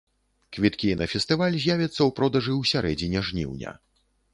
Квіткі на фестываль з'явяцца ў продажы ў сярэдзіне жніўня.